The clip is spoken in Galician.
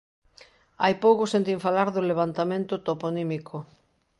Hai pouco sentín falar do levantamento toponímico.